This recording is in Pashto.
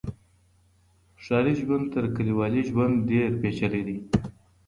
ښاري ژوند تر کلیوالي ژوند ډیر پیچلی دی.